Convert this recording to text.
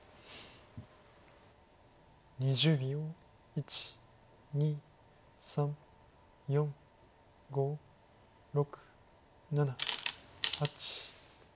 １２３４５６７８。